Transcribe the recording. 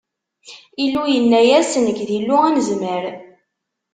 Illu yenna-yas: Nekk, d Illu Anezmar!